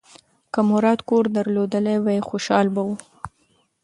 که مراد کور درلودلی وای، خوشاله به و.